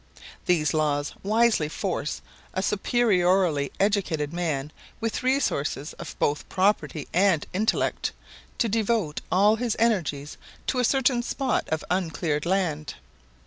These laws wisely force a superiorly educated man with resources of both property and intellect, to devote all his energies to a certain spot of uncleared land.